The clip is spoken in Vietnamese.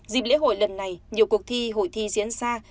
dịp lễ hội lần này nhiều cuộc thi hội thi diễn ra